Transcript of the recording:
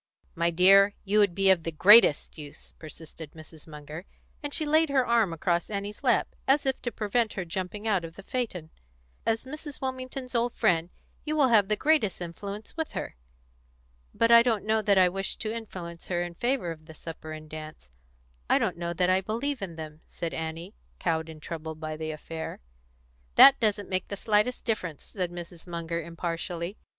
"My dear, you would be of the greatest use," persisted Munger, and she laid her arm across Annie's lap, as if to prevent her jumping out of the phaeton. "As Mrs. Wilmington's old friend, you will have the greatest influence with her." "But I don't know that I wish to influence her in favour of the supper and dance; I don't know that I believe in them," said Annie, cowed and troubled by the affair. "That doesn't make the slightest difference," said Mrs. Munger impartially.